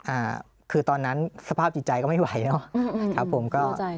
อ่าคือตอนนั้นสภาพจิตใจก็ไม่ไหวเนอะครับผมก็โทรแจ้งครับ